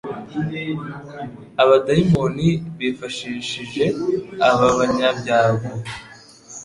Abadayimoni bifashishije aba banyabyago,